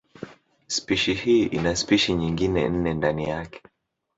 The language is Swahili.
Spishi hii ina spishi nyingine nne ndani yake.